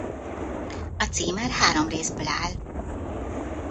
A címer három részből áll.